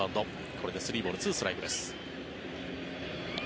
これで３ボール２ストライクです。